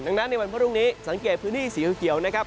ดังนั้นในวันพรุ่งนี้สังเกตพื้นที่สีเขียวนะครับ